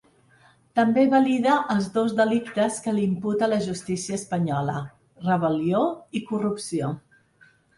També valida els dos delictes que li imputa la justícia espanyola: rebel·lió i corrupció.